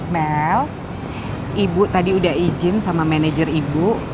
mel ibu tadi udah izin sama manajer ibu